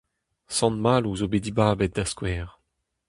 Sant-Maloù zo bet dibabet da skouer.